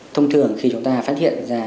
thông thường khi chúng ta phát hiện ra